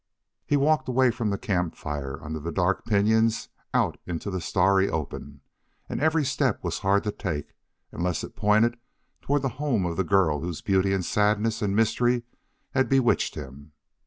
He walked away from the camp fire, under the dark pinyons, out into the starry open; and every step was hard to take, unless it pointed toward the home of the girl whose beauty and sadness and mystery had bewitched him.